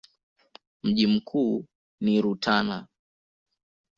Mji mkuu ni Rutana.